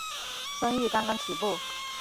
生意刚刚起步